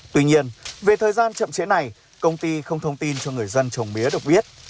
tuy nhiên về thời gian chậm chế này công ty không thông tin cho người dân trồng mía được biết